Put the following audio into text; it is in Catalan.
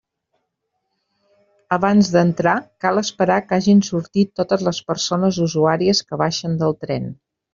Abans d'entrar, cal esperar que hagin sortit totes les persones usuàries que baixen del tren.